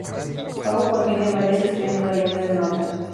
Pavo contiene varias estrellas variables de nota.